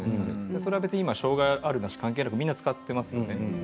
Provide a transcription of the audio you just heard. それは別に今、障害ありなし関係なしにみんな使っていますね。